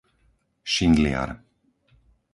Šindliar